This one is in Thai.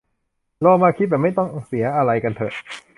ลองมาคิดแบบไม่ต้องเสียอะไรกันเถอะ